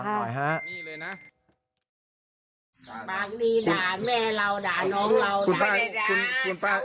ปากดีด่าแม่เราด่าน้องเรา